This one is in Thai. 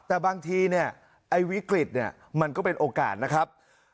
แต่บางทีไว้กริจมันก็เป็นโอกาสนะครับ